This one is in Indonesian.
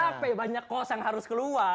capek banyak kos yang harus keluar